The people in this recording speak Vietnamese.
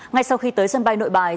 ngay sau khi tới sân bay nội bài